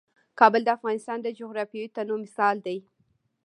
کابل د افغانستان د جغرافیوي تنوع مثال دی.